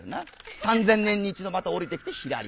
３，０００年に一度また下りてきてひらり。